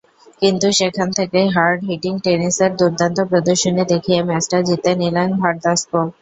কিন্তু সেখান থেকেই হার্ড-হিটিং টেনিসের দুর্দান্ত প্রদর্শনী দেখিয়ে ম্যাচটা জিতে নিলেন ভার্দাস্কো।